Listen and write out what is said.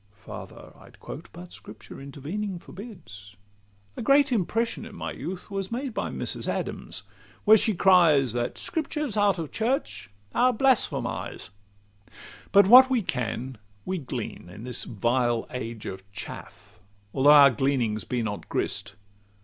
Farther I'd quote, but Scripture intervening Forbids. A great impression in my youth Was made by Mrs. Adams, where she cries, "That Scriptures out of church are blasphemies." XCVII But what we can we glean in this vile age Of chaff, although our gleanings be not grist.